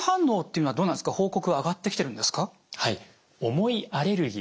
重いアレルギー